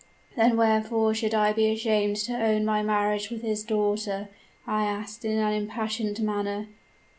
"'Then wherefore should I be ashamed to own my marriage with his daughter?' I asked in an impassioned manner.